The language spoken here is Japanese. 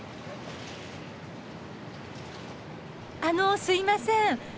あのすいません。